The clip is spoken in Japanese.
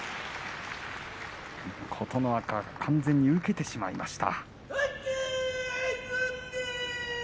琴ノ若、完全に受けてしまいました。